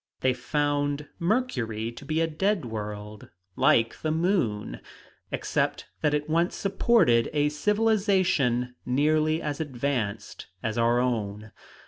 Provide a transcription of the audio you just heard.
They found Mercury to be a dead world, like the moon, except that it once supported a civilization nearly as advanced as our own.